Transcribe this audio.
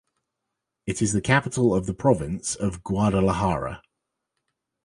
It is the capital of the province of Guadalajara.